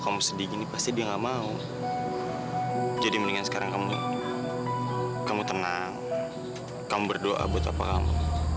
kamu sedih gini pasti dia nggak mau jadi mendingan sekarang kamu kamu tenang kamu berdoa buat apa kamu